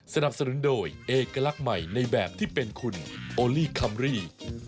สนับสนุนโดยเอกลักษณ์ใหม่ในแบบที่เป็นคุณโอลี่คัมรี่